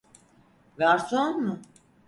Garson mu?